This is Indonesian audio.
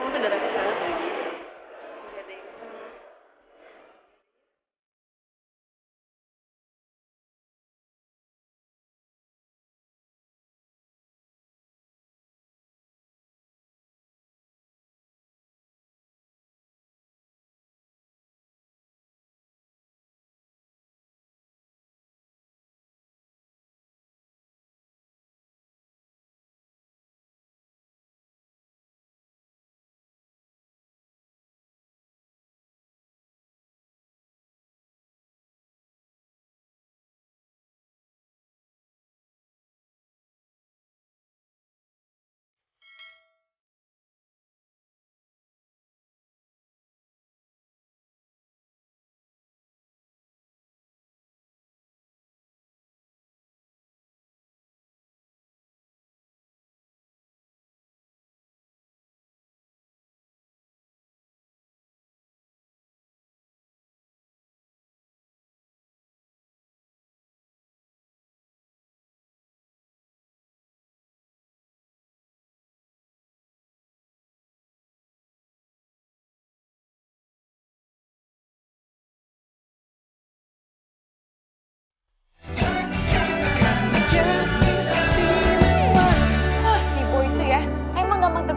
buat kopi dan